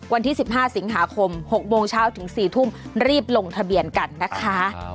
วันที่๑๕สิงหาคม๖โมงเช้าถึง๔ทุ่มรีบลงทะเบียนกันนะคะ